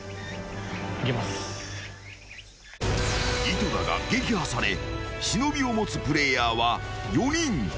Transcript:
［井戸田が撃破され忍を持つプレイヤーは４人］